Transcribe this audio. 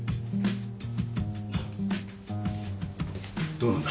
どうなんだ？